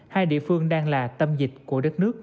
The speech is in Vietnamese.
hai địa phương đang là tâm dịch của đất nước